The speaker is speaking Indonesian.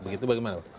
begitu bagaimana pak